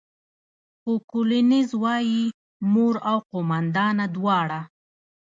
خو کولینز وايي، مور او قوماندانه دواړه.